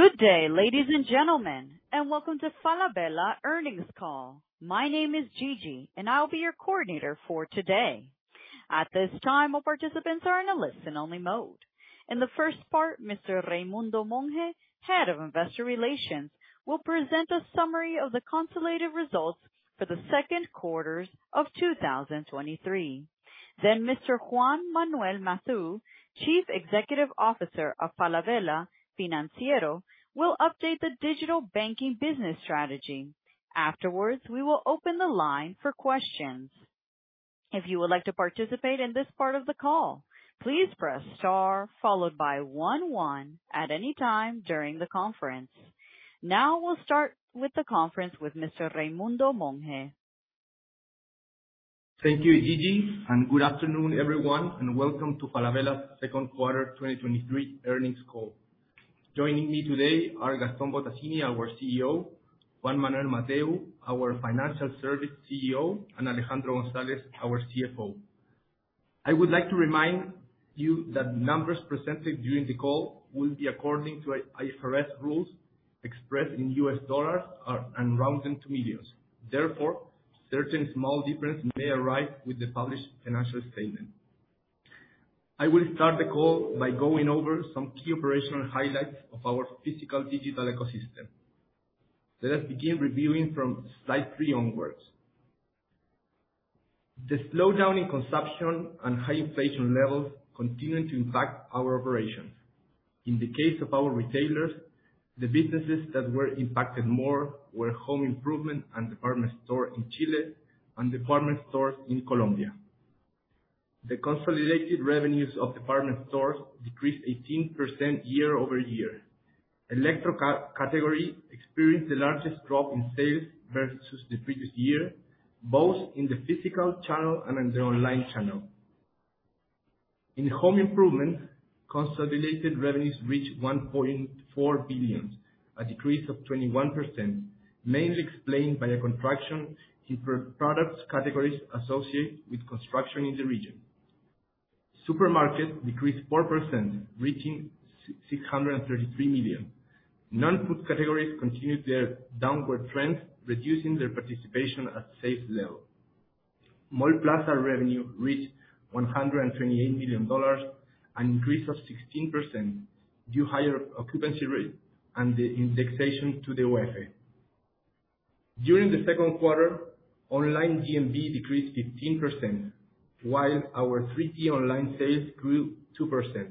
Good day, ladies and gentlemen, and welcome to Falabella Earnings Call. My name is Gigi, and I'll be your coordinator for today. At this time, all participants are in a listen-only mode. In the first part, Mr. Raimundo Monge, Head of Investor Relations, will present a summary of the consolidated results for the second quarter of 2023. Then Mr. Juan Manuel Matheu, Chief Executive Officer of Falabella Financiero, will update the digital banking business strategy. Afterwards, we will open the line for questions. If you would like to participate in this part of the call, please press star followed by one one at any time during the conference. Now, we'll start the conference with Mr. Raimundo Monge. Thank you, Gigi, and good afternoon, everyone, and welcome to Falabella's second quarter 2023 earnings call. Joining me today are Gastón Bottazzini, our CEO, Juan Manuel Matheu, our Financial Service CEO, and Alejandro González, our CFO. I would like to remind you that numbers presented during the call will be according to IFRS rules expressed in US dollars and rounded to millions. Therefore, certain small differences may arise with the published financial statement. I will start the call by going over some key operational highlights of our physical digital ecosystem. Let us begin reviewing from slide three onwards. The slowdown in consumption and high inflation levels continued to impact our operations. In the case of our retailers, the businesses that were impacted more were home improvement and department store in Chile and department stores in Colombia. The consolidated revenues of department stores decreased 18% year-over-year. Electronics category experienced the largest drop in sales versus the previous year, both in the physical channel and in the online channel. In home improvement, consolidated revenues reached $1.4 billion, a decrease of 21%, mainly explained by a contraction in product categories associated with construction in the region. Supermarket decreased 4%, reaching $633 million. Non-food categories continued their downward trend, reducing their participation at a safe level. Mallplaza revenue reached $128 million, an increase of 16% due to higher occupancy rate and the indexation to the UF. During the second quarter, online GMV decreased 15%, while our 3P online sales grew 2%,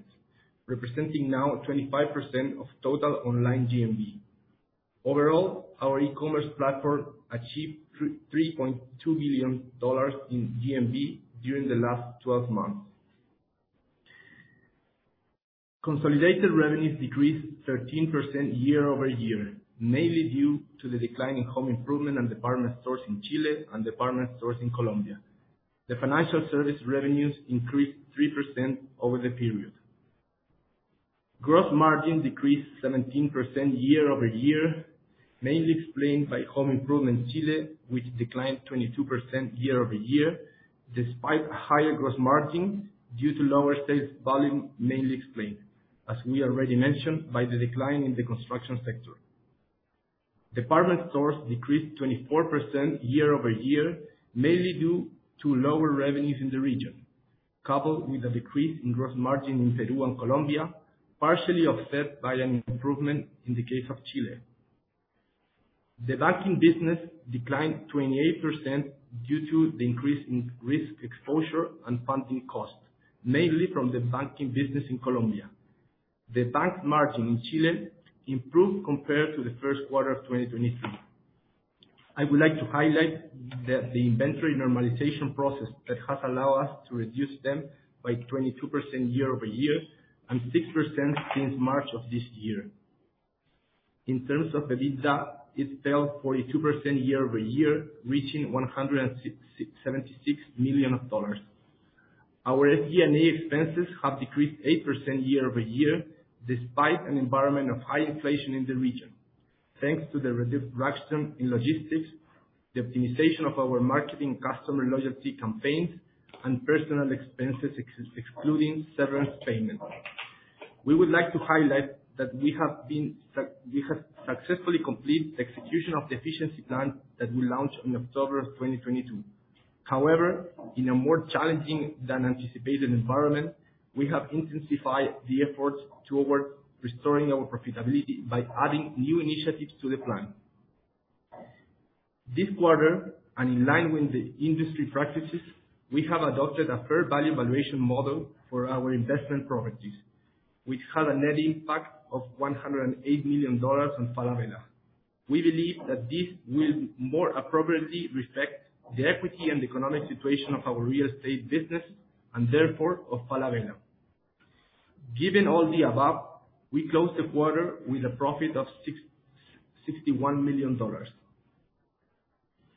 representing now 25% of total online GMV. Overall, our e-commerce platform achieved $3.2 million in GMV during the last twelve months. Consolidated revenues decreased 13% year-over-year, mainly due to the decline in home improvement and department stores in Chile and department stores in Colombia. The financial service revenues increased 3% over the period. Gross margin decreased 17% year-over-year, mainly explained by home improvement Chile, which declined 22% year-over-year, despite higher gross margins due to lower sales volume, mainly explained, as we already mentioned, by the decline in the construction sector. Department stores decreased 24% year-over-year, mainly due to lower revenues in the region, coupled with a decrease in gross margin in Peru and Colombia, partially offset by an improvement in the case of Chile. The banking business declined 28% due to the increase in risk exposure and funding costs, mainly from the banking business in Colombia. The bank's margin in Chile improved compared to the first quarter of 2023. I would like to highlight that the inventory normalization process that has allowed us to reduce them by 22% year-over-year and 6% since March of this year. In terms of EBITDA, it fell 42% year-over-year, reaching $167 million. Our SG&A expenses have decreased 8% year-over-year, despite an environment of high inflation in the region, thanks to the reduction in logistics, the optimization of our marketing customer loyalty campaigns and personal expenses, excluding severance payments. We would like to highlight that we have been... We have successfully completed the execution of the efficiency plan that we launched in October of 2022. However, in a more challenging than anticipated environment, we have intensified the efforts towards restoring our profitability by adding new initiatives to the plan. This quarter, and in line with the industry practices, we have adopted a fair value valuation model for our investment properties, which had a net impact of $108 million on Falabella. We believe that this will more appropriately reflect the equity and economic situation of our real estate business and therefore of Falabella. Given all the above, we closed the quarter with a profit of $661 million.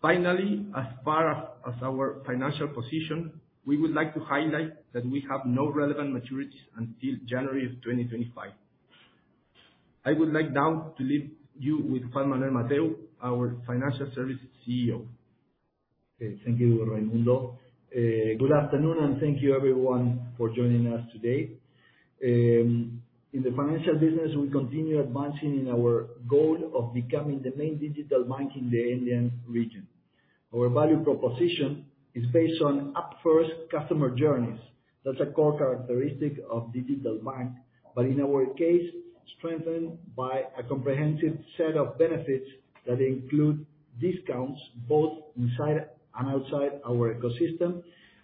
Finally, as far as our financial position, we would like to highlight that we have no relevant maturities until January 2025. I would like now to leave you with Juan Manuel Matheu, our Financial Services CEO.... Thank you, Raimundo. Good afternoon, and thank you everyone for joining us today. In the financial business, we continue advancing in our goal of becoming the main digital bank in the Andean region. Our value proposition is based on app-first customer journeys. That's a core characteristic of digital bank, but in our case, strengthened by a comprehensive set of benefits that include discounts both inside and outside our ecosystem,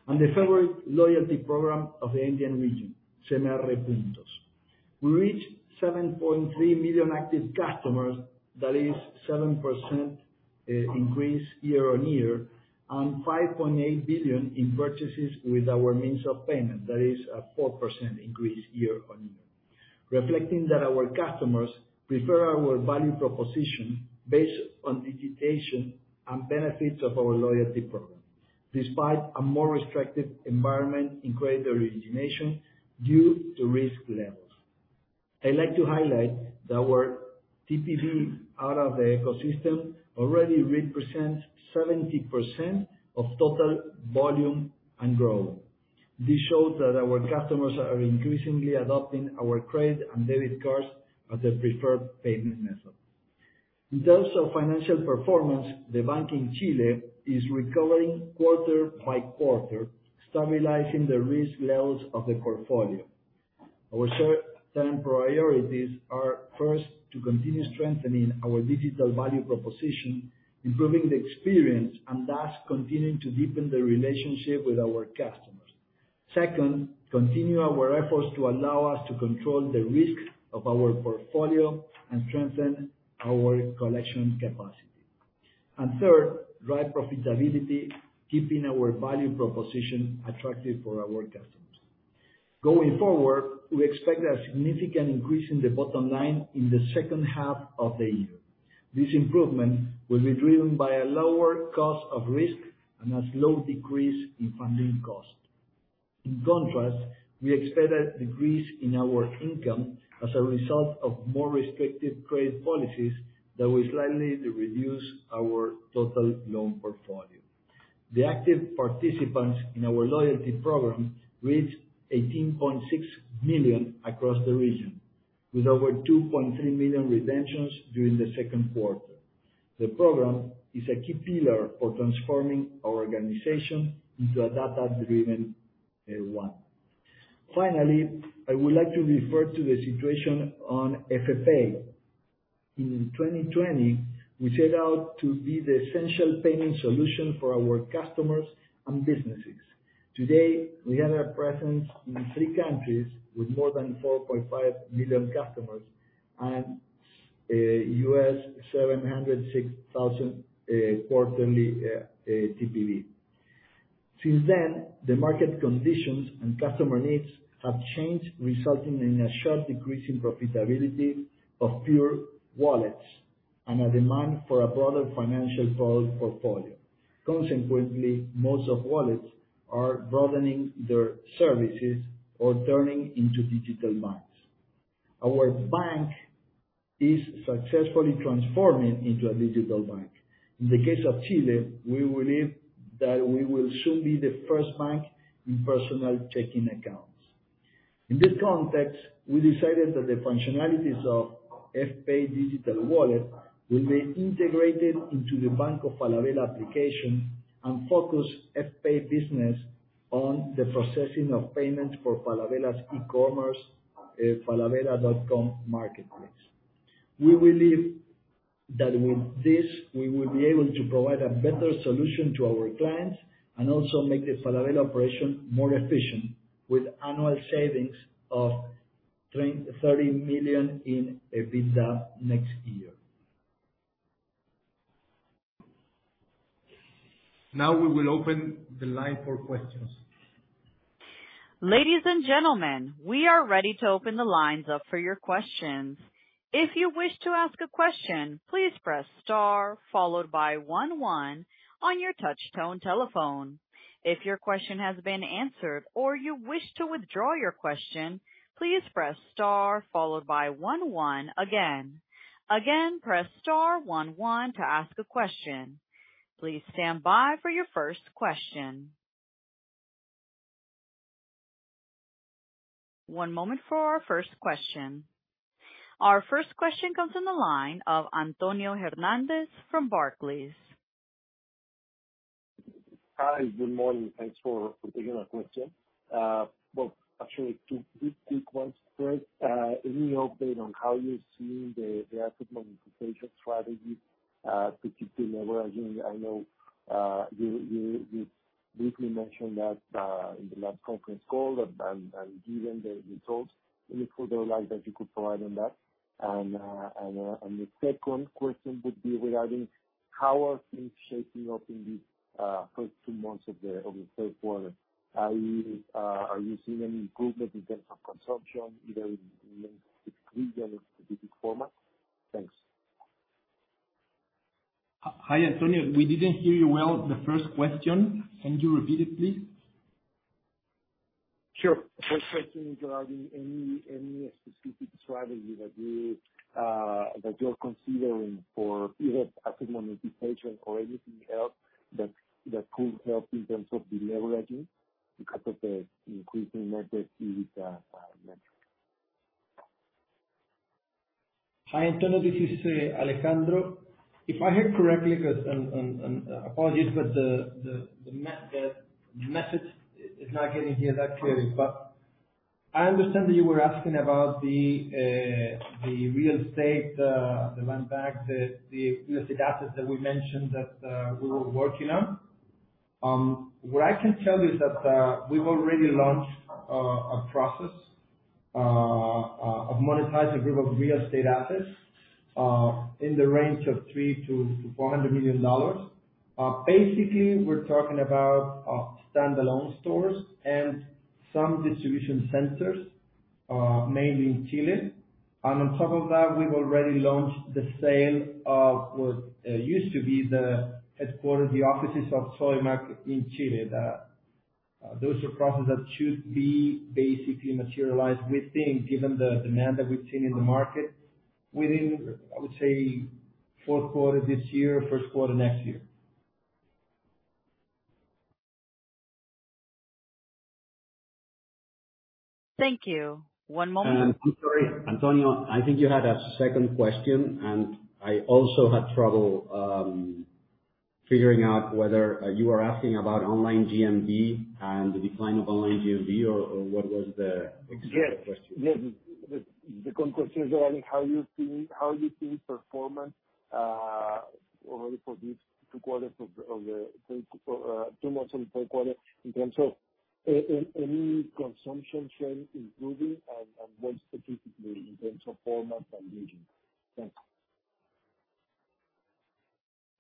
and the favorite loyalty program of the Andean region, CMR Puntos. We reached 7.3 million active customers, that is 7% increase year-on-year, and $5.8 billion in purchases with our means of payment. That is a 4% increase year-on-year, reflecting that our customers prefer our value proposition based on digitization and benefits of our loyalty program, despite a more restrictive environment in credit origination due to risk levels. I'd like to highlight that our TPV out of the ecosystem already represents 70% of total volume and growth. This shows that our customers are increasingly adopting our credit and debit cards as their preferred payment method. In terms of financial performance, the bank in Chile is recovering quarter by quarter, stabilizing the risk levels of the portfolio. Our seven priorities are, first, to continue strengthening our digital value proposition, improving the experience, and thus continuing to deepen the relationship with our customers. Second, continue our efforts to allow us to control the risk of our portfolio and strengthen our collection capacity. And third, drive profitability, keeping our value proposition attractive for our customers. Going forward, we expect a significant increase in the bottom line in the second half of the year. This improvement will be driven by a lower cost of risk and a slow decrease in funding cost. In contrast, we expect a decrease in our income as a result of more restrictive credit policies that will slightly reduce our total loan portfolio. The active participants in our loyalty program reached 18.6 million across the region, with over 2.3 million redemptions during the second quarter. The program is a key pillar for transforming our organization into a data-driven one. Finally, I would like to refer to the situation on Fpay. In 2020, we set out to be the essential payment solution for our customers and businesses. Today, we have a presence in three countries with more than 4.5 million customers and $706 thousand quarterly TPV. Since then, the market conditions and customer needs have changed, resulting in a sharp decrease in profitability of pure wallets and a demand for a broader financial portfolio. Consequently, most of wallets are broadening their services or turning into digital banks. Our bank is successfully transforming into a digital bank. In the case of Chile, we believe that we will soon be the first bank in personal checking accounts. In this context, we decided that the functionalities of Fpay Digital Wallet will be integrated into the Bank of Falabella application and focus Fpay business on the processing of payments for Falabella's e-commerce, falabella.com marketplace. We believe that with this, we will be able to provide a better solution to our clients and also make the Falabella operation more efficient, with annual savings of $30 million in EBITDA next year. Now, we will open the line for questions. Ladies and gentlemen, we are ready to open the lines up for your questions. If you wish to ask a question, please press star, followed by one one on your touchtone telephone. If your question has been answered or you wish to withdraw your question, please press star followed by one one again. Again, press star one one to ask a question. Please stand by for your first question. One moment for our first question. Our first question comes from the line of Antonio Hernandez from Barclays. Hi, good morning. Thanks for taking our question. Well, actually, two quick ones. First, any update on how you're seeing the asset monetization strategy, particularly leveraging? I know, you briefly mentioned that, in the last conference call, and given the results, any further light that you could provide on that? The second question would be regarding how are things shaping up in the first two months of the third quarter? Are you seeing any improvement in terms of consumption, either in specific region or specific format? Thanks. Hi, Antonio. We didn't hear you well, the first question. Can you repeat it, please?... Sure. First question is regarding any specific strategy that you're considering for either asset monetization or anything else that could help in terms of the leveraging, because of the increasing net debt EBITDA metric. Hi, Antonio, this is Alejandro. If I heard correctly, because apologies, but the message is not getting here that clearly. But I understand that you were asking about the real estate, the land bank, the real estate assets that we mentioned that we were working on. What I can tell you is that we've already launched a process of monetizing a group of real estate assets in the range of $300 million-$400 million. Basically, we're talking about standalone stores and some distribution centers, mainly in Chile. And on top of that, we've already launched the sale of what used to be the headquarters, the offices of Sodimac in Chile. That, those are processes that should be basically materialized within, given the demand that we've seen in the market, within, I would say, fourth quarter this year, first quarter next year. Thank you. One moment. I'm sorry, Antonio, I think you had a second question, and I also had trouble figuring out whether you were asking about online GMV and the decline of online GMV or what was the exact question? Yes. Yes. The, the second question is around how you see, how you see performance, over for these two quarters of the, of the three, two months and third quarter, in terms of, any, any consumption trend improving and, and what specifically in terms of format and region? Thanks.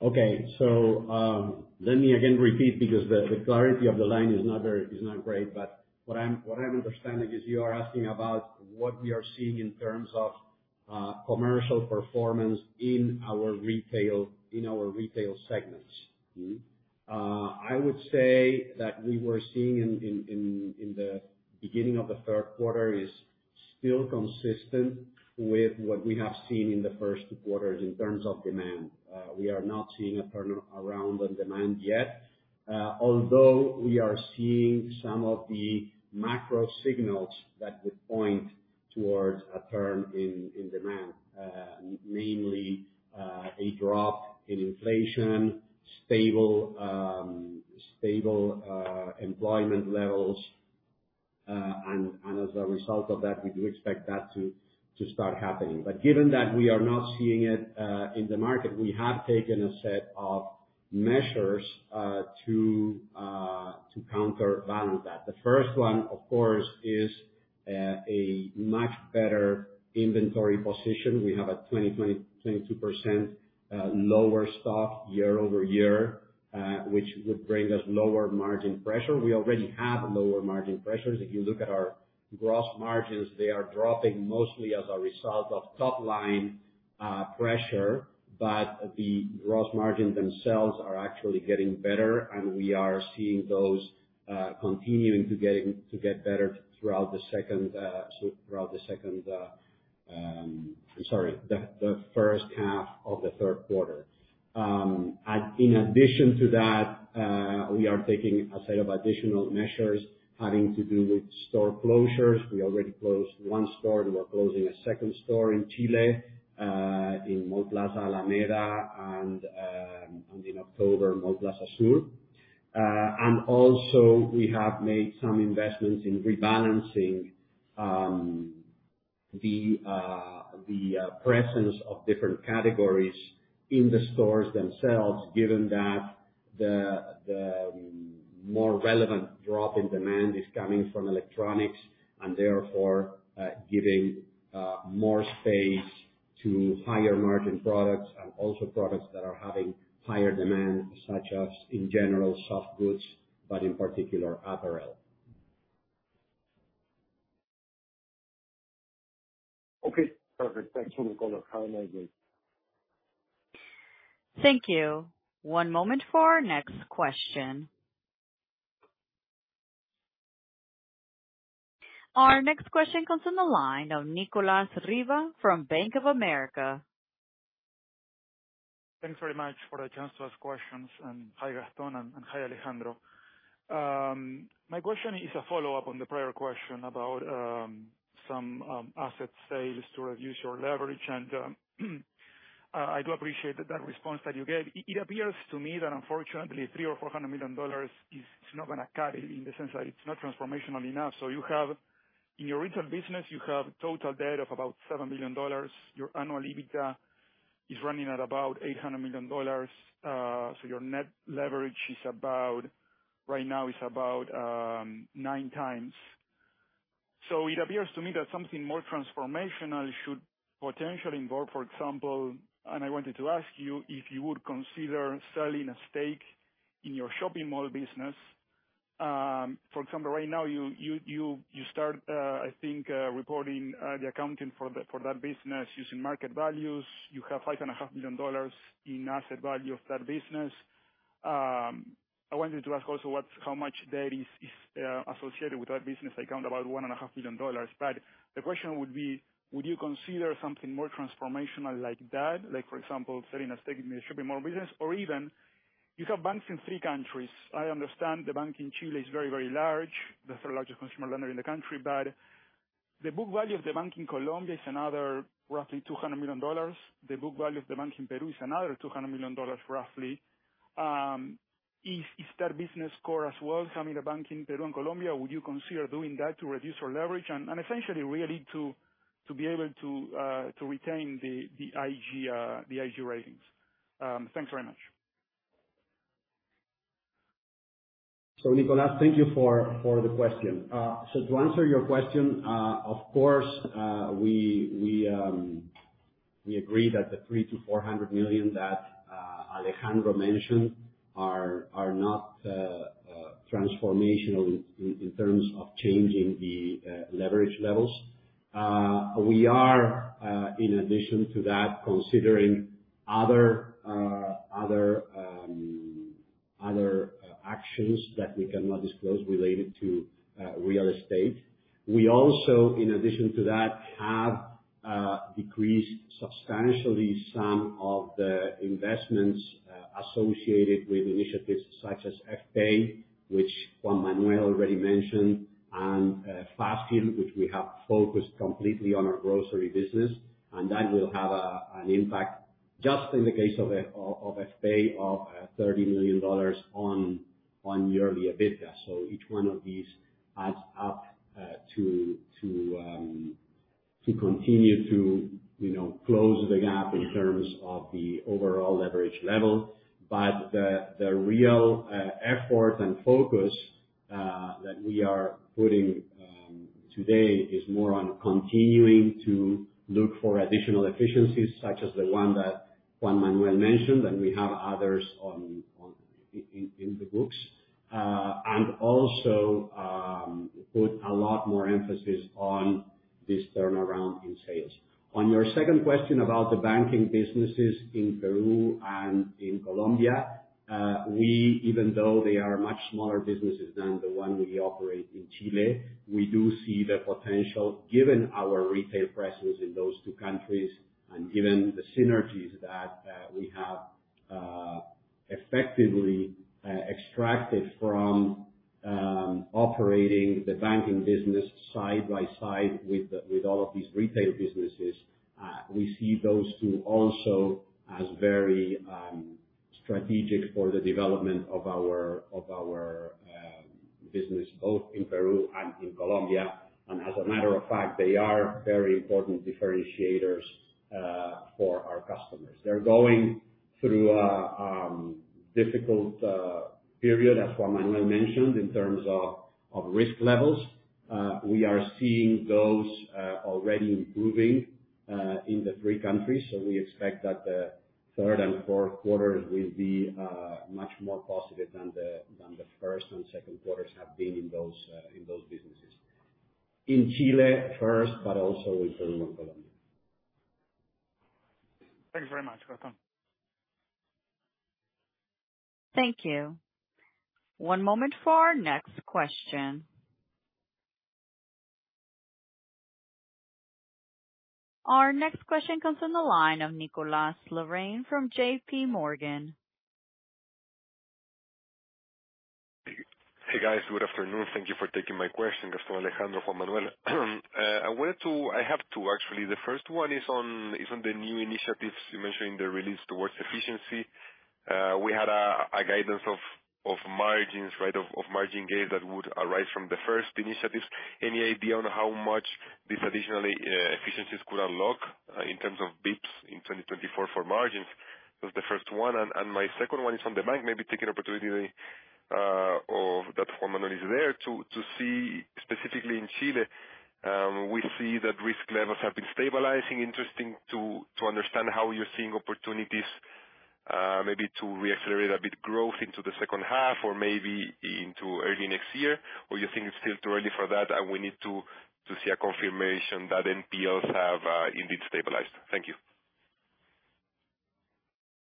Okay. So, let me again repeat, because the clarity of the line is not great. But what I'm understanding is you are asking about what we are seeing in terms of commercial performance in our retail segments. Mm-hmm. I would say that we were seeing in the beginning of the third quarter is still consistent with what we have seen in the first two quarters in terms of demand. We are not seeing a turn around on demand yet, although we are seeing some of the macro signals that would point towards a turn in demand. Mainly, a drop in inflation, stable employment levels, and as a result of that, we do expect that to start happening. But given that we are not seeing it in the market, we have taken a set of measures to countervalue that. The first one, of course, is a much better inventory position. We have a 22% lower stock year-over-year, which would bring us lower margin pressure. We already have lower margin pressures. If you look at our gross margins, they are dropping mostly as a result of top line pressure, but the gross margins themselves are actually getting better. And we are seeing those continuing to get better throughout the second, so throughout the second. Sorry, the first half of the third quarter. In addition to that, we are taking a set of additional measures having to do with store closures. We already closed one store, and we're closing a second store in Chile, in Mallplaza Alameda, and in October, Mallplaza Sur. And also we have made some investments in rebalancing the presence of different categories in the stores themselves, given that the more relevant drop in demand is coming from electronics, and therefore, giving more space to higher margin products and also products that are having higher demand, such as, in general, soft goods, but in particular, apparel. Okay, perfect. Thanks, Nicolas. Have a nice day. Thank you. One moment for our next question. Our next question comes from the line of Nicolas Riva from Bank of America. Thanks very much for the chance to ask questions, and hi, Gastón, and, and hi, Alejandro. My question is a follow-up on the prior question about some asset sales to reduce your leverage. And I do appreciate that response that you gave. It, it appears to me that unfortunately, $300 million-$400 million is not gonna cut it, in the sense that it's not transformational enough. So you have... In your retail business, you have total debt of about $7 billion. Your annual EBITDA is running at about $800 million. So your net leverage is about, right now, is about 9x. So it appears to me that something more transformational should potentially involve, for example, and I wanted to ask you, if you would consider selling a stake in your shopping mall business? For example, right now, you start, I think, reporting the accounting for that business using market values. You have $5.5 million in asset value of that business. I wanted to ask also what's how much debt is associated with that business? I count about $1.5 million. But the question would be: would you consider something more transformational like that? Like, for example, selling a stake in the distrbution business, or even, you have banks in three countries. I understand the bank in Chile is very, very large. That's the largest consumer lender in the country, but the book value of the bank in Colombia is another roughly $200 million. The book value of the bank in Peru is another $200 million, roughly. Is that business core as well? I mean, the bank in Peru and Colombia, would you consider doing that to reduce your leverage? And essentially really to be able to retain the IG ratings. Thanks very much. So Nicolas, thank you for the question. So to answer your question, of course, we agree that the $300 million-$400 million that Alejandro mentioned are not transformational in terms of changing the leverage levels. We are, in addition to that, considering other actions that we cannot disclose related to real estate. We also, in addition to that, have decreased substantially some of the investments associated with initiatives such as Fpay, which Juan Manuel already mentioned, and Fazil, which we have focused completely on our grocery business, and that will have an impact just in the case of Fpay, of $30 million on yearly EBITDA. So each one of these adds up to continue to, you know, close the gap in terms of the overall leverage level. But the real effort and focus that we are putting today is more on continuing to look for additional efficiencies, such as the one that Juan Manuel mentioned, and we have others in the books. And also put a lot more emphasis on this turnaround in sales. On your second question about the banking businesses in Peru and in Colombia, we, even though they are much smaller businesses than the one we operate in Chile, we do see the potential, given our retail presence in those two countries, and given the synergies that we have effectively extracted from operating the banking business side by side with all of these retail businesses. We see those two also as very strategic for the development of our, of our business, both in Peru and in Colombia. And as a matter of fact, they are very important differentiators for our customers. They're going through a difficult period, as Juan Manuel mentioned, in terms of risk levels. We are seeing those already improving in the three countries, so we expect that the third and fourth quarters will be much more positive than the first and second quarters have been in those businesses. In Chile first, but also in Peru and Colombia. Thank you very much. Welcome. Thank you. One moment for our next question. Our next question comes from the line of Nicolas Lorraine from JP Morgan. Hey, guys. Good afternoon. Thank you for taking my question, Gastón, Alejandro, Juan Manuel. I wanted to... I have two, actually. The first one is on the new initiatives. You mentioned the release towards efficiency. We had a guidance of margins, right, of margin gains that would arise from the first initiatives. Any idea on how much these additionally efficiencies could unlock in terms of bps in 2024 for margins? That's the first one, and my second one is on the bank. Maybe take an opportunity of that Juan Manuel is there, to see specifically in Chile, we see that risk levels have been stabilizing. Interesting to understand how you're seeing opportunities, maybe to reaccelerate a bit growth into the second half or maybe into early next year. Or you think it's still too early for that, and we need to see a confirmation that NPLs have indeed stabilized? Thank you.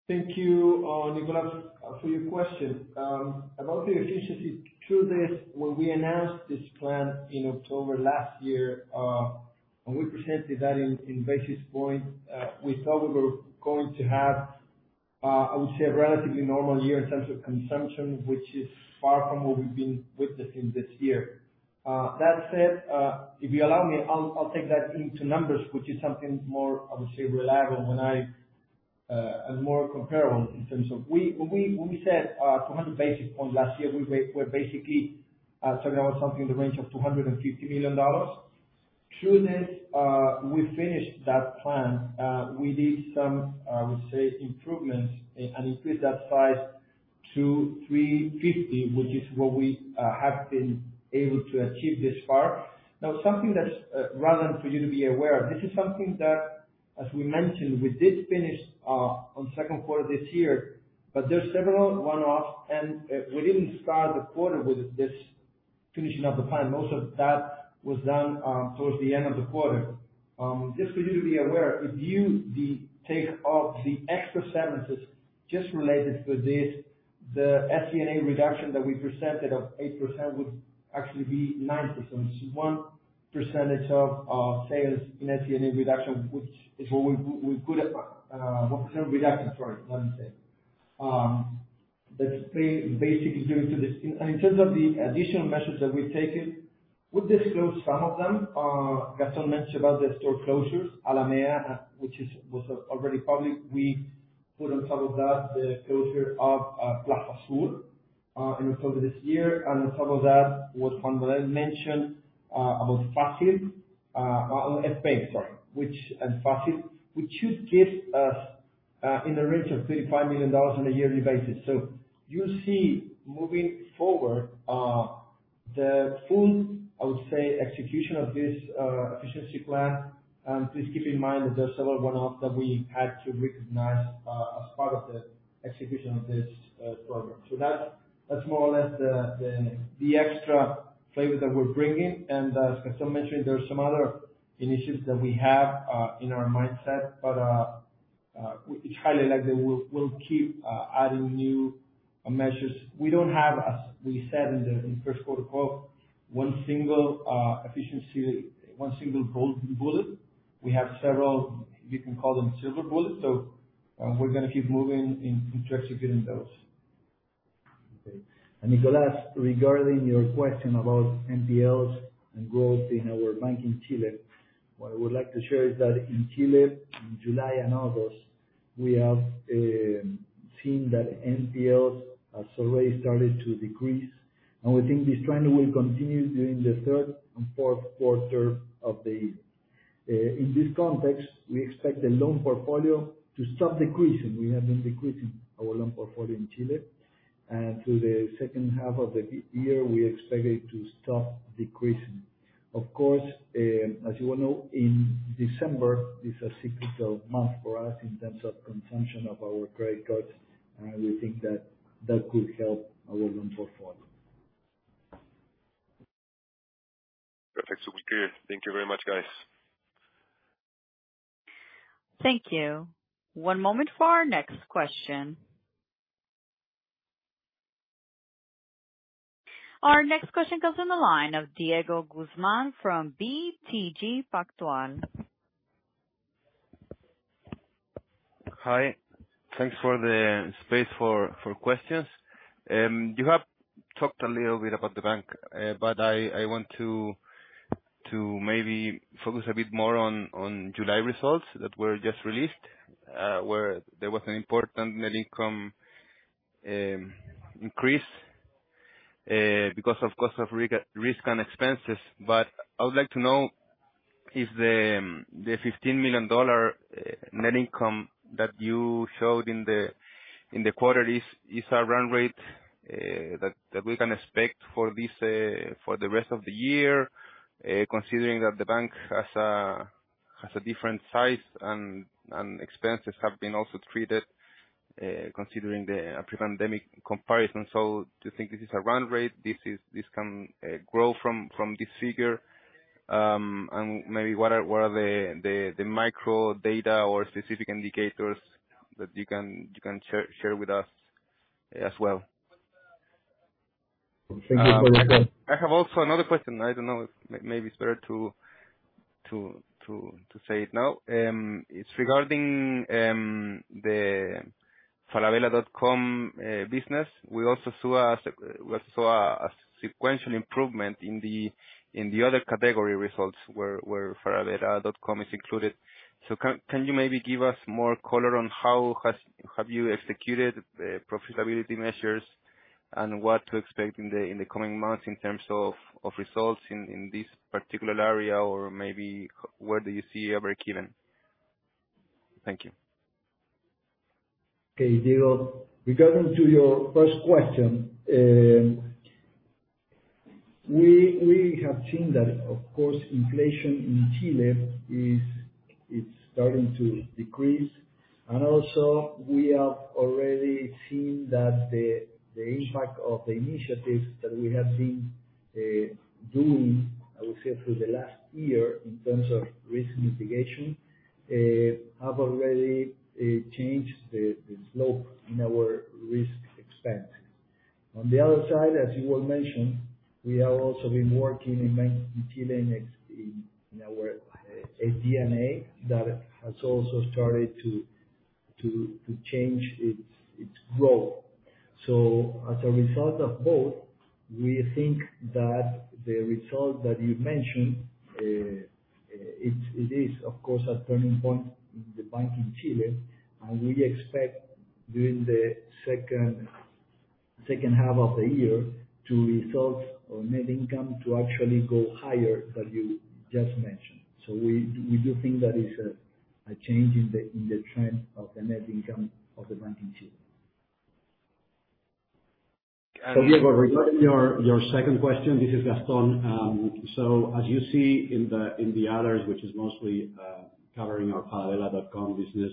Thank you, Nicolas, for your question. About the efficiency, through this, when we announced this plan in October last year, when we presented that in basis points, we thought we were going to have, I would say, a relatively normal year in terms of consumption, which is far from what we've been witnessing this year. That said, if you allow me, I'll take that into numbers, which is something more, obviously, reliable when I, and more comparable in terms of... We, when we said 200 basis points last year, we were basically talking about something in the range of $250 million. Through this, we finished that plan. We did some, I would say, improvements, and increased that size to 350, which is what we have been able to achieve thus far. Now, something that's relevant for you to be aware of, this is something that, as we mentioned, we did finish on second quarter this year, but there's several one-offs, and we didn't start the quarter with this-... finishing up the time. Most of that was done towards the end of the quarter. Just for you to be aware, if you take off the extra sentences just related to this, the SG&A reduction that we presented of 8% would actually be 9%. It's 1% of sales in SG&A reduction, which is what we could reduction, sorry, let me say. That's pretty basically due to this. And in terms of the additional measures that we've taken, we disclose some of them. Gastón mentioned about the store closures, Alameda, which was already public. We put on top of that, the closure of Plaza Sur in October this year. And on top of that, what Juan Manuel mentioned, about Fazil, on Fpay, sorry, which and Fazil, which should give us, in the range of $35 million on a yearly basis. So you'll see moving forward, the full, I would say, execution of this, efficiency plan. And please keep in mind that there are several one-offs that we had to recognize, as part of the execution of this, program. So that's more or less the extra flavor that we're bringing. And as Gaston mentioned, there are some other initiatives that we have, in our mindset, but, it's highly likely we'll keep adding new measures. We don't have, as we said in the first quarter call, one single efficiency, one single gold bullet. We have several, you can call them silver bullets. We're gonna keep moving into executing those. Okay. And Nicolas, regarding your question about NPLs and growth in our bank in Chile, what I would like to share is that in Chile, in July and August, we have seen that NPLs have already started to decrease, and we think this trend will continue during the third and fourth quarter of the year. In this context, we expect the loan portfolio to stop decreasing. We have been decreasing our loan portfolio in Chile, and to the second half of the year, we expect it to stop decreasing. Of course, as you all know, in December, it's a cyclical month for us in terms of consumption of our credit cards, and we think that that could help our loan portfolio. Perfect. So we're clear. Thank you very much, guys. Thank you. One moment for our next question. Our next question comes on the line of Diego Guzman from BTG Pactual. Hi, thanks for the space for questions. You have talked a little bit about the bank, but I want to maybe focus a bit more on July results that were just released, where there was an important net income increase because of cost of risk and expenses. But I would like to know if the $15 million net income that you showed in the quarter is a run rate that we can expect for this for the rest of the year, considering that the bank has a different size and expenses have been also treated, considering the pre-pandemic comparison. So do you think this is a run rate? This can grow from this figure? And maybe what are the micro data or specific indicators that you can share with us as well? Thank you for the question. I have also another question. I don't know if maybe it's better to say it now. It's regarding the Falabella.com business. We also saw a sequential improvement in the other category results, where Falabella.com is included. So can you maybe give us more color on how have you executed profitability measures? And what to expect in the coming months in terms of results in this particular area or maybe where do you see a break even? Thank you. Okay, Diego, regarding to your first question, we have seen that, of course, inflation in Chile is, it's starting to decrease. Also, we have already seen that the impact of the initiatives that we have been doing, I would say, through the last year in terms of risk mitigation, have already changed the slope in our risk expense. On the other side, as you all mentioned, we have also been working in bank in Chile, in ex- in, in our SG&A, that has also started to change its growth. So as a result of both, we think that the result that you mentioned, it is of course a turning point in the bank in Chile, and we expect during the second half of the year to result our net income to actually go higher than you just mentioned. So we do think that is a change in the trend of the net income of the bank in Chile. So Diego, regarding your second question, this is Gastón. So as you see in the others, which is mostly covering our falabella.com business,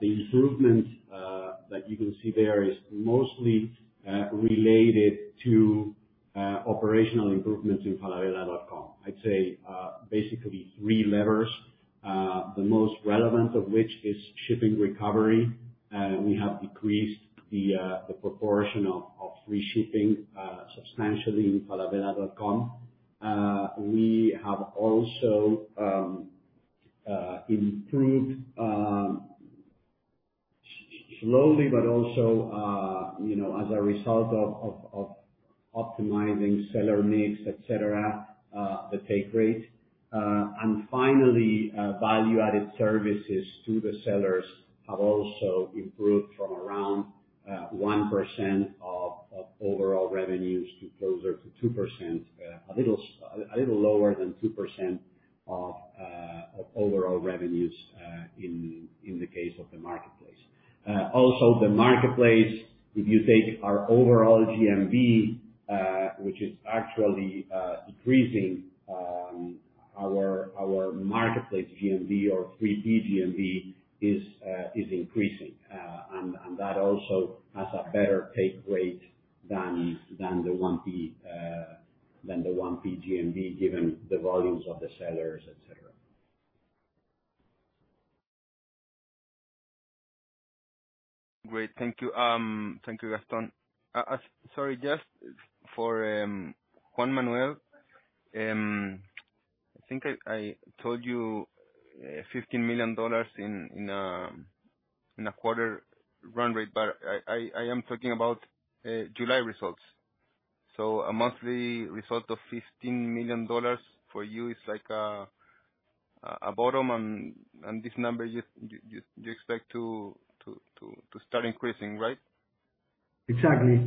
the improvement,... that you can see there is mostly related to operational improvements in falabella.com. I'd say basically three levers, the most relevant of which is shipping recovery. We have decreased the proportion of free shipping substantially in falabella.com. We have also improved slowly, but also you know, as a result of optimizing seller mix, et cetera, the take rate. And finally, value-added services to the sellers have also improved from around 1% of overall revenues to closer to 2%, a little lower than 2% of overall revenues, in the case of the marketplace. Also, the marketplace, if you take our overall GMV, which is actually increasing, our marketplace GMV or 3P GMV is increasing. And that also has a better take rate than the 1P GMV, given the volumes of the sellers, et cetera. Great. Thank you. Thank you, Gastón. Sorry, just for Juan Manuel. I think I told you $15 million in a quarter run rate, but I am talking about July results. So a monthly result of $15 million for you is like a bottom and this number you expect to start increasing, right? Exactly.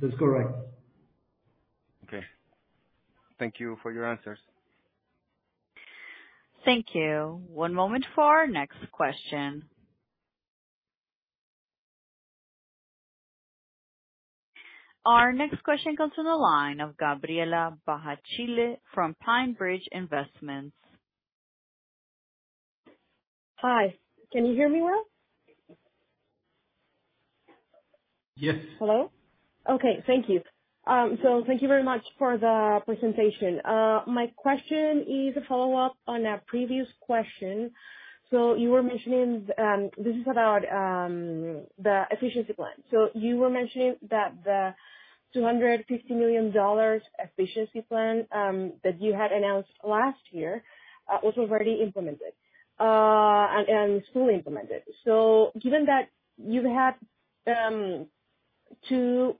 That's correct. Okay. Thank you for your answers. Thank you. One moment for our next question. Our next question comes from the line of Gabriela Bahachille from Pine Bridge Investments. Hi, can you hear me well? Yes. Hello? Okay, thank you. So thank you very much for the presentation. My question is a follow-up on a previous question. So you were mentioning, this is about, the efficiency plan. So you were mentioning that the $250 million efficiency plan, that you had announced last year, was already implemented, and fully implemented. So given that you've had two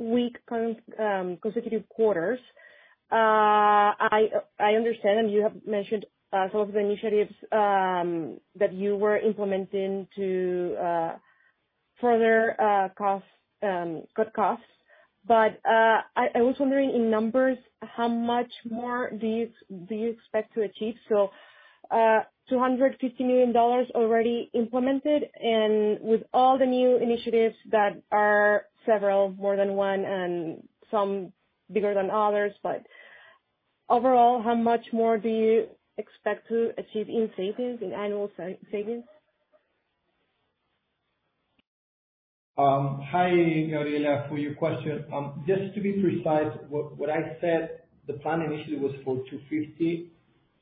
consecutive quarters, I understand, and you have mentioned some of the initiatives that you were implementing to further cut costs. But I was wondering in numbers, how much more do you expect to achieve? $250 million already implemented, and with all the new initiatives that are several, more than one and some bigger than others, but overall, how much more do you expect to achieve in savings, in annual savings? Hi, Gabriela, for your question. Just to be precise, what I said, the plan initially was for 250.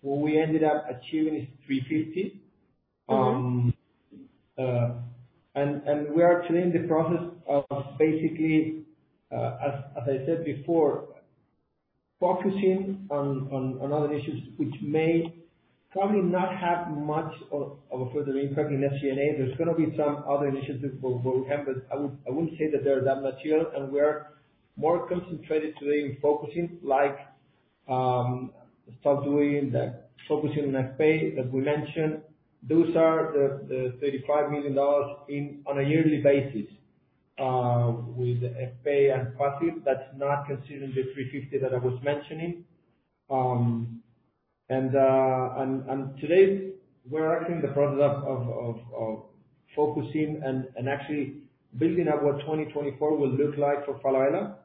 What we ended up achieving is 350. Mm-hmm. And we are today in the process of basically, as I said before, focusing on other issues which may probably not have much of a further impact in SG&A. There's gonna be some other initiatives, but we'll have that. I wouldn't say that they're that material, and we are more concentrated today in focusing, like, start doing the focusing on Fpay, as we mentioned. Those are the $35 million on a yearly basis with Fpay and Fazil. That's not considering the $350 million that I was mentioning. And today, we're actually in the process of focusing and actually building out what 2024 will look like for Falabella.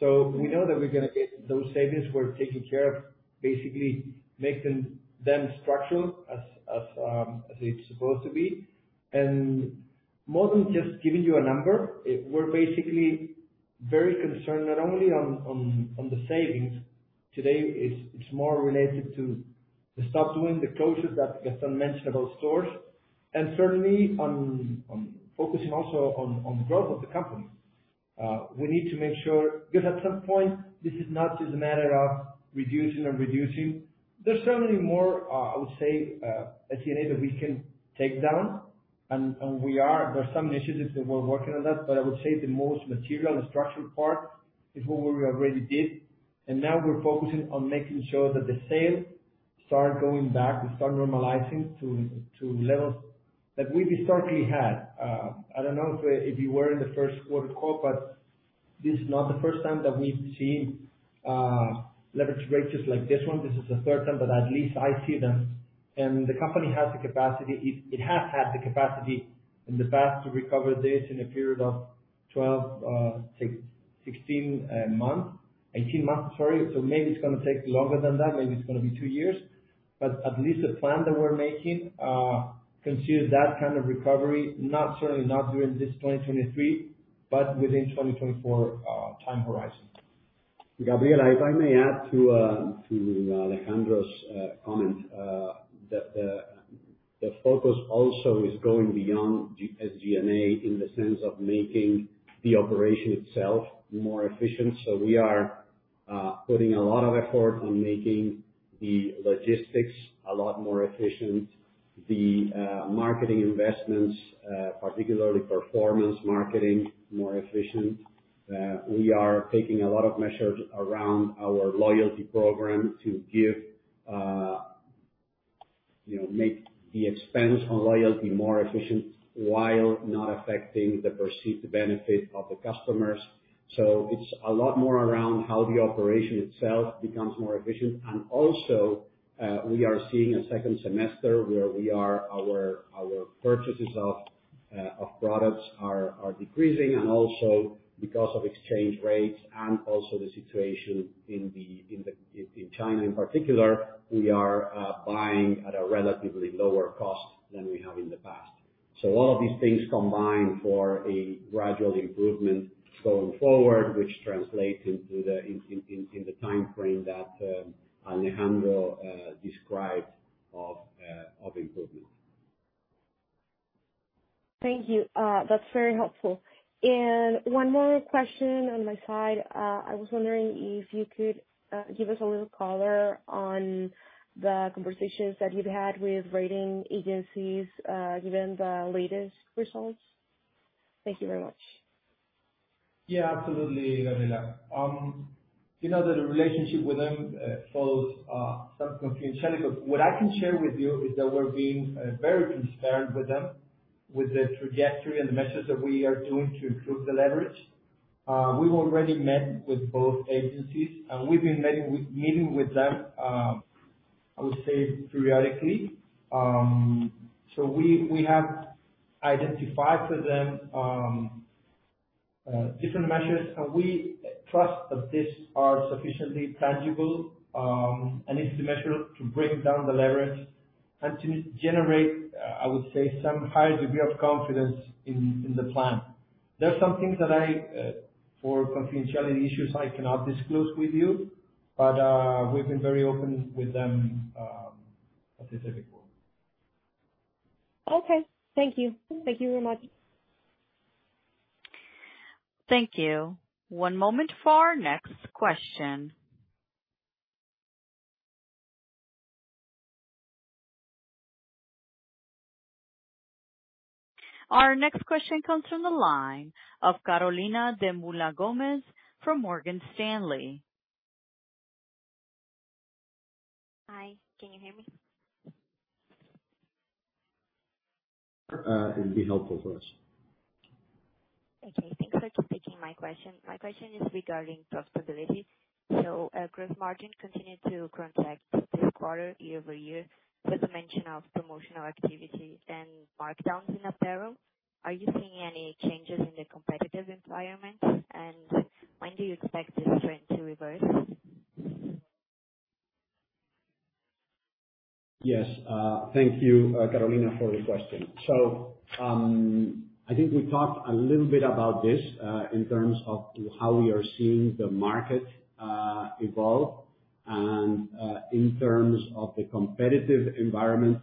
So we know that we're gonna get those savings. We're taking care of basically making them structural as it's supposed to be. More than just giving you a number, it- we're basically very concerned, not only on the savings. Today, it's more related to the stop doing, the closures that Gastón mentioned about stores, and certainly on focusing also on growth of the company. We need to make sure, because at some point, this is not just a matter of reducing and reducing. There's certainly more, I would say, SG&A that we can take down, and we are. There are some initiatives that we're working on that, but I would say the most material, the structural part, is what we already did. And now we're focusing on making sure that the sales start going back and start normalizing to levels that we historically had. I don't know if, if you were in the first quarter call, but this is not the first time that we've seen, leverage ratios like this one. This is the third time, but at least I see them. The company has the capacity... It, it has had the capacity in the past to recover this in a period of 12, sixteen, months. 18 months, sorry. So maybe it's gonna take longer than that, maybe it's gonna be 2 years.... but at least the plan that we're making, considers that kind of recovery, not certainly not during this 2023, but within 2024, time horizon. Gabriel, if I may add to Alejandro's comment, the focus also is going beyond SG&A in the sense of making the operation itself more efficient. So we are putting a lot of effort on making the logistics a lot more efficient, the marketing investments, particularly performance marketing, more efficient. We are taking a lot of measures around our loyalty program to give, you know, make the expense on loyalty more efficient, while not affecting the perceived benefit of the customers. So it's a lot more around how the operation itself becomes more efficient. And also, we are seeing a second semester where our purchases of products are decreasing, and also because of exchange rates and also the situation in China in particular, we are buying at a relatively lower cost than we have in the past. So all of these things combine for a gradual improvement going forward, which translates into the time frame that Alejandro described of improvement. Thank you. That's very helpful. And one more question on my side. I was wondering if you could give us a little color on the conversations that you've had with rating agencies, given the latest results? Thank you very much. Yeah, absolutely, Gabriela. You know that the relationship with them follows some confidentiality, but what I can share with you is that we're being very transparent with them, with the trajectory and the measures that we are doing to improve the leverage. We've already met with both agencies, and we've been meeting with them, I would say periodically. So we have identified for them different measures, and we trust that these are sufficiently tangible and easy to measure, to break down the leverage and to generate, I would say, some high degree of confidence in the plan. There are some things that I, for confidentiality issues, I cannot disclose with you, but we've been very open with them at this point. Okay. Thank you. Thank you very much. Thank you. One moment for our next question. Our next question comes from the line of Carolina De Mula Gomez from Morgan Stanley. Hi, can you hear me? It would be helpful for us. Okay. Thanks for taking my question. My question is regarding profitability. So, gross margin continued to contract this quarter, year-over-year, with the mention of promotional activity and markdowns in apparel. Are you seeing any changes in the competitive environment? And when do you expect this trend to reverse? Yes. Thank you, Carolina, for the question. So, I think we talked a little bit about this, in terms of how we are seeing the market evolve. In terms of the competitive environment,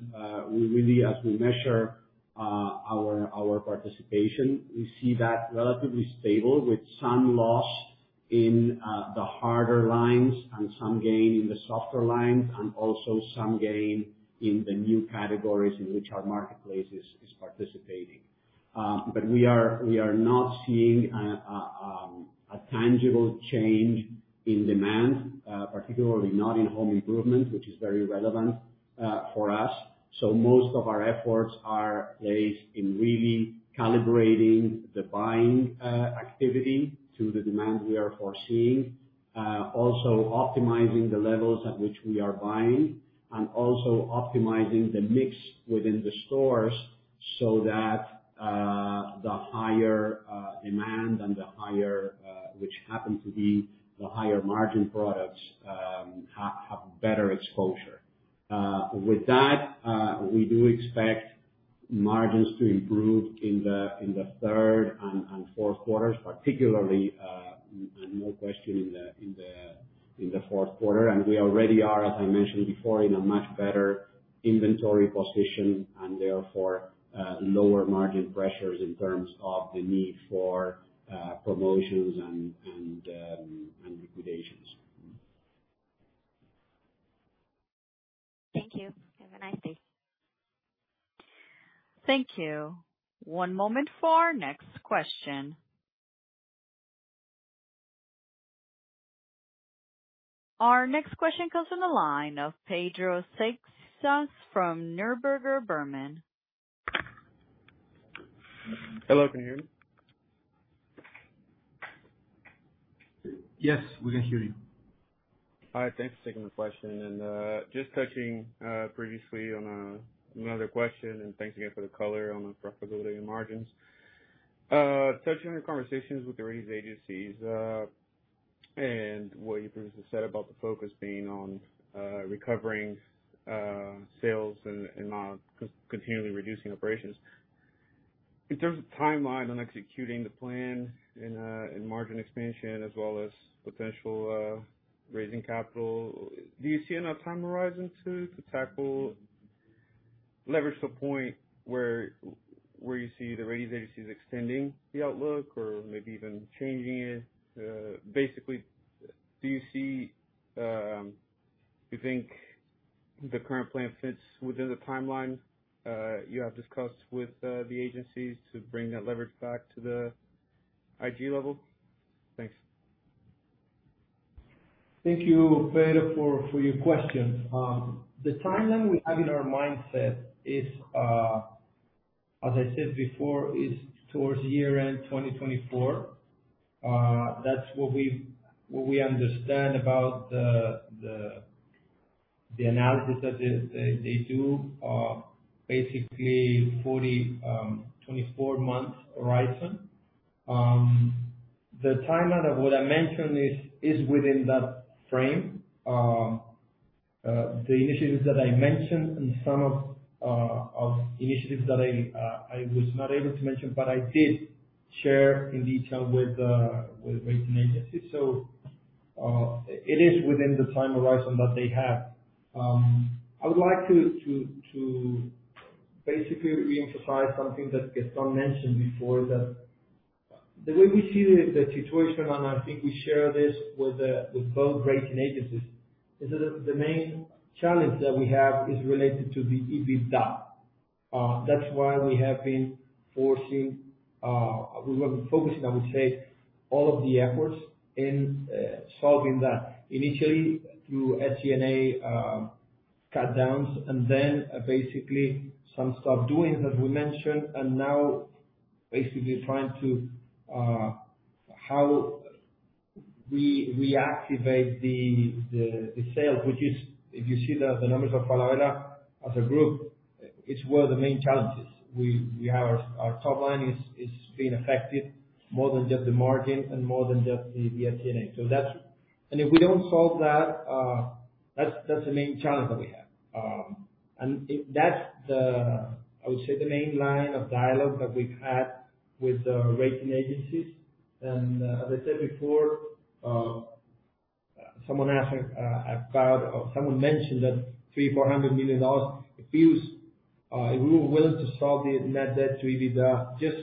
we really, as we measure our participation, we see that relatively stable, with some loss in the harder lines and some gain in the softer lines, and also some gain in the new categories in which our marketplace is participating. But we are not seeing a tangible change in demand, particularly not in home improvement, which is very relevant for us. So most of our efforts are placed in really calibrating the buying activity to the demand we are foreseeing. Also optimizing the levels at which we are buying, and also optimizing the mix within the stores so that the higher demand and the higher which happen to be the higher margin products have better exposure. With that, we do expect margins to improve in the third and fourth quarters particularly, and no question in the fourth quarter. We already are, as I mentioned before, in a much better inventory position and therefore lower margin pressures in terms of the need for promotions and liquidations. Thank you. Have a nice day. Thank you. One moment for our next question. Our next question comes from the line of Pedro Seixas from Neuberger Berman. Hello, can you hear me? Yes, we can hear you. All right. Thanks for taking the question. Just touching previously on another question, and thanks again for the color on the profitability and margins. Touching on conversations with the ratings agencies. And what you previously said about the focus being on recovering sales and continually reducing operations. In terms of timeline on executing the plan and margin expansion, as well as potential raising capital, do you see enough time horizon to tackle leverage to a point where you see the ratings agencies extending the outlook or maybe even changing it? Basically, do you see you think the current plan fits within the timeline you have discussed with the agencies to bring that leverage back to the IG level? Thanks. Thank you, Pedro, for your question. The timeline we have in our mindset is, as I said before, towards year-end 2024. That's what we understand about the analysis that they do, basically 24 months horizon. The timeline of what I mentioned is within that frame. The initiatives that I mentioned and some of initiatives that I was not able to mention, but I did share in detail with rating agencies. So, it is within the time horizon that they have. I would like to basically reemphasize something that Gastón mentioned before, that the way we see the situation, and I think we share this with both rating agencies, is that the main challenge that we have is related to the EBITDA. That's why we have been focusing, we were focusing, I would say, all of the efforts in solving that. Initially through SG&A cutdowns, and then basically some stop doing, as we mentioned, and now basically trying to how we reactivate the sales, which is, if you see the numbers of Falabella as a group, it's one of the main challenges. We have our top line is being affected more than just the margin and more than just the SG&A. So that's... If we don't solve that, that's the main challenge that we have. And if that's the, I would say, the main line of dialogue that we've had with the rating agencies, and, as I said before, someone asked, about or someone mentioned that $300 million-$400 million, it feels, we were willing to solve the net debt to EBITDA just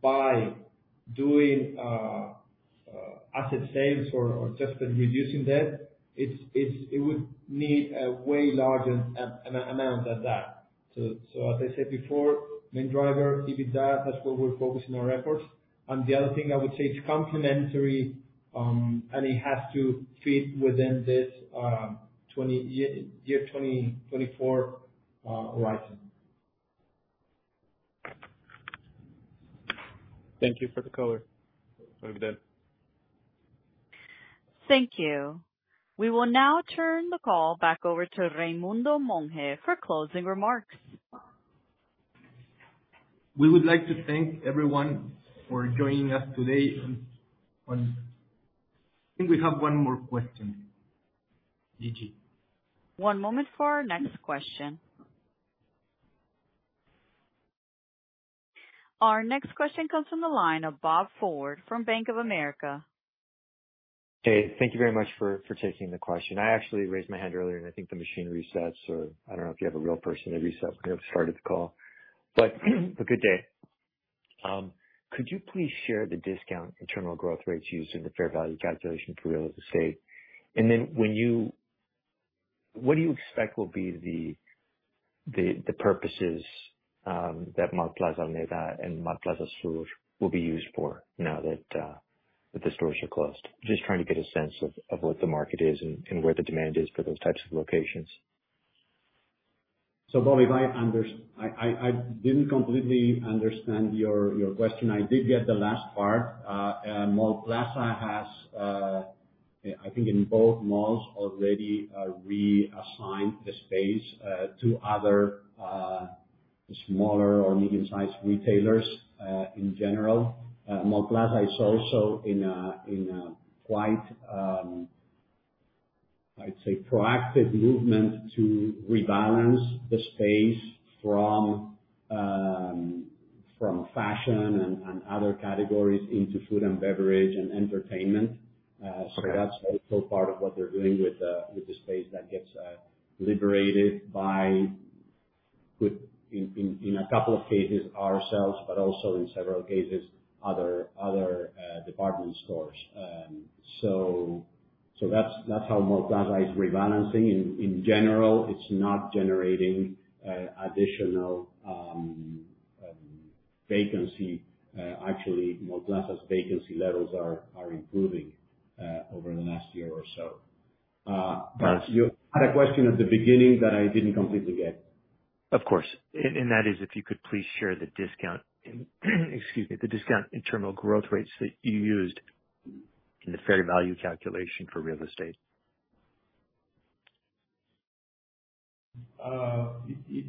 by doing, asset sales or just reducing debt. It's it would need a way larger amount than that. So as I said before, main driver, EBITDA, that's where we're focusing our efforts. And the other thing I would say, it's complementary, and it has to fit within this, 20-year, year 2024, horizon. Thank you for the color. Over and done. Thank you. We will now turn the call back over to Raimundo Monge for closing remarks. We would like to thank everyone for joining us today. I think we have one more question. Gigi. One moment for our next question. Our next question comes from the line of Bob Ford from Bank of America. Hey, thank you very much for taking the question. I actually raised my hand earlier, and I think the machine resets, or I don't know if you have a real person to reset at the start of the call. But a good day. Could you please share the discount internal growth rates used in the fair value calculation for real estate? And then when you—what do you expect will be the purposes that Mallplaza Enea and Mallplaza Sur will be used for now that the stores are closed? Just trying to get a sense of what the market is and where the demand is for those types of locations. So, Bob, if I didn't completely understand your question. I did get the last part. Mallplaza has, I think in both malls already, reassigned the space to other smaller or medium-sized retailers, in general. Mallplaza is also in a quite, I'd say, proactive movement to rebalance the space from fashion and other categories into food and beverage and entertainment. So that's also part of what they're doing with the space that gets liberated by, in a couple of cases, ourselves, but also in several cases, other department stores. So that's how Mallplaza is rebalancing. In general, it's not generating additional vacancy. Actually, Mallplaza's vacancy levels are improving over the last year or so. But you had a question at the beginning that I didn't completely get. Of course. And that is, if you could please share the discount, excuse me, the discount internal growth rates that you used in the fair value calculation for real estate?... It,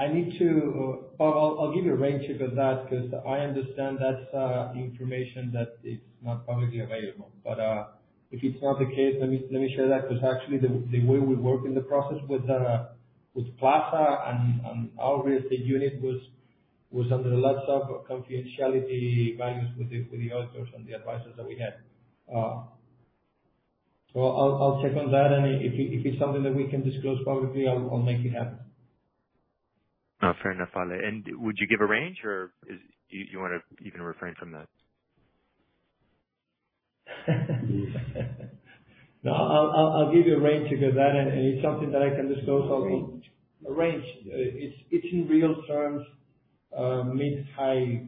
I need to, I'll give you a range, you see, that because I understand that's information that is not publicly available. But if it's not the case, let me share that, because actually, the way we work in the process with Plaza and our real estate unit was under a lot of confidentiality values with the auditors and the advisors that we had. So I'll check on that, and if it's something that we can disclose publicly, I'll make it happen. Fair enough, Ale. Would you give a range or is... Do you want to even refrain from that? No, I'll give you a range because that, and it's something that I can disclose. It's in real terms, mid-high,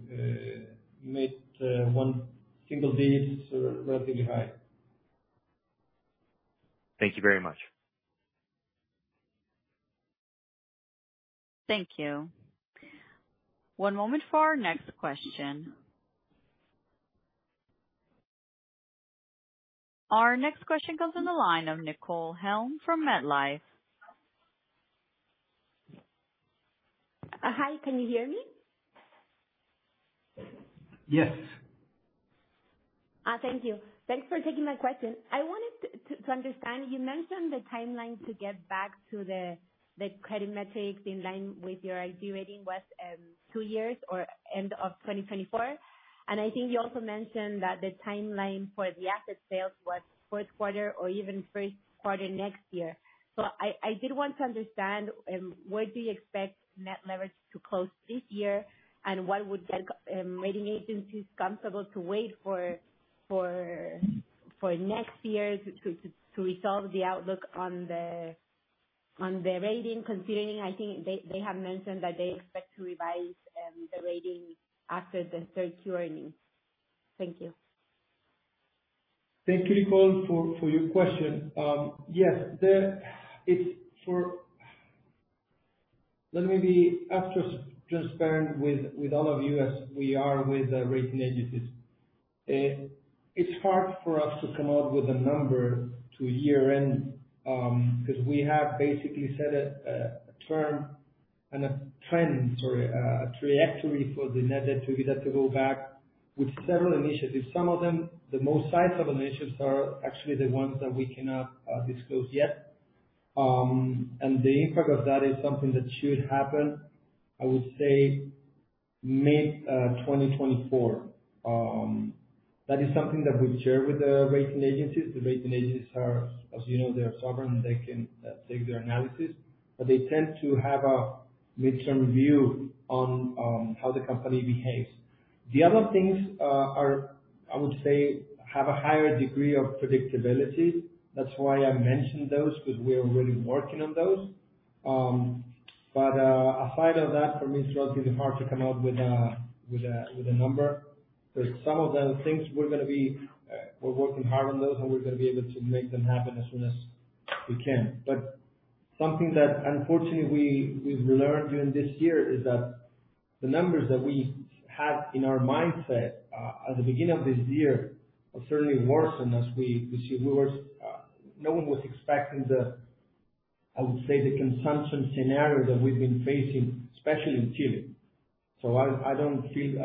mid, one single digits, so relatively high. Thank you very much. Thank you. One moment for our next question. Our next question comes in the line of Nicole Helm from MetLife. Hi, can you hear me? Yes. Thank you. Thanks for taking my question. I wanted to understand, you mentioned the timeline to get back to the credit metrics in line with your ID rating was two years or end of 2024. And I think you also mentioned that the timeline for the asset sales was fourth quarter or even first quarter next year. So I did want to understand, where do you expect net leverage to close this year? And what would make rating agencies comfortable to wait for next year to resolve the outlook on the rating? Considering, I think they have mentioned that they expect to revise the rating after the third quarter earnings. Thank you. Thank you, Nicole, for your question. Yes. Let me be ultra transparent with all of you as we are with the rating agencies. It's hard for us to come out with a number to year-end, because we have basically set a trajectory for the net debt to EBITDA to go back with several initiatives. Some of them, the most sizable initiatives, are actually the ones that we cannot disclose yet. And the impact of that is something that should happen, I would say, mid-2024. That is something that we share with the rating agencies. The rating agencies are, as you know, they are sovereign, they can take their analysis, but they tend to have a midterm view on how the company behaves. The other things, I would say, have a higher degree of predictability. That's why I mentioned those, because we are really working on those. But aside from that, for me, it's relatively hard to come out with a number. Because some of the things we're working hard on those, and we're gonna be able to make them happen as soon as we can. But something that unfortunately we've learned during this year is that the numbers that we had in our mindset at the beginning of this year have certainly worsened as we see lower. No one was expecting the, I would say, the consumption scenario that we've been facing, especially in Chile. So, I don't feel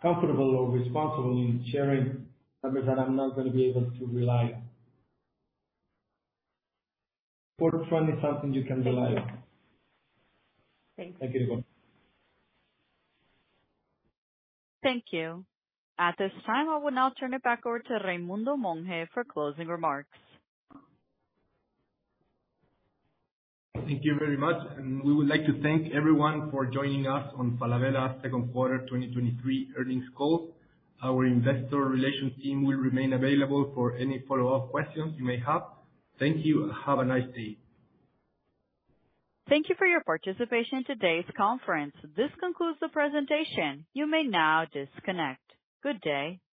comfortable or responsible in sharing numbers that I'm not gonna be able to rely on. Quarter front is something you can rely on. Thank you. Thank you, Nicole. Thank you. At this time, I will now turn it back over to Raimundo Monge for closing remarks. Thank you very much, and we would like to thank everyone for joining us on Falabella's second quarter 2023 earnings call. Our investor relations team will remain available for any follow-up questions you may have. Thank you, and have a nice day. Thank you for your participation in today's conference. This concludes the presentation. You may now disconnect. Good day.